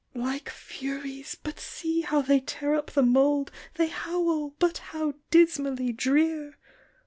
" Like furies but see how they tear up the mould, They howl, but how dismally drear!